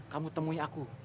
kamu temui aku